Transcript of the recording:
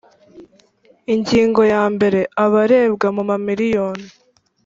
Ingingo ya mbere abarebwa mu mamiriyoni